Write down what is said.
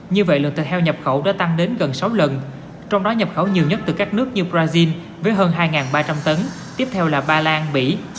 như vậy lượng thịt heo nhập khẩu đã tăng đến gần sáu lần trong đó nhập khẩu nhiều nhất từ các nước như brazil với hơn hai ba trăm linh tấn tiếp theo là ba lan bỉ